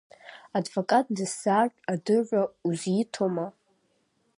Адвокат дысзаартә адырра узиҭома?